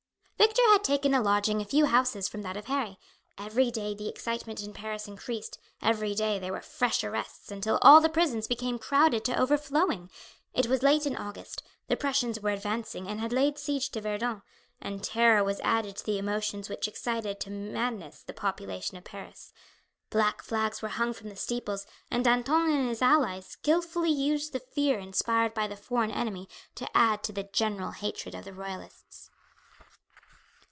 Victor had taken a lodging a few houses from that of Harry. Every day the excitement in Paris increased, every day there were fresh arrests until all the prisons became crowded to overflowing. It was late in August; the Prussians were advancing and had laid siege to Verdun, and terror was added to the emotions which excited to madness the population of Paris. Black flags were hung from the steeples, and Danton and his allies skilfully used the fear inspired by the foreign enemy to add to the general hatred of the Royalists.